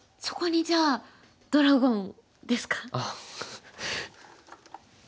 そこにじゃあドラゴンですか？